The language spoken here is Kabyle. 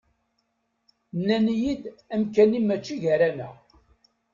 Nnan-iyi-d amkan-im mačči gar-aneɣ.